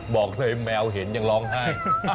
บอกเลยแมวเห็นยังร้องไห้